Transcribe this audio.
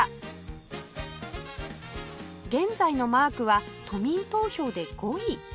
現在のマークは都民投票で５位